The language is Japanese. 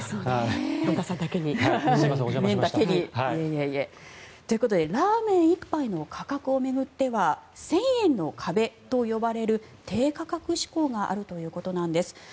若さだけに、麺だけに。ということでラーメン１杯の価格を巡っては１０００円の壁と呼ばれる低価格志向があるということなんです。